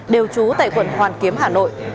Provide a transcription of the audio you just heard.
đều trú tại quận hoàn kiếm hà nội